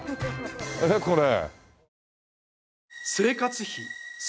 えっこれ。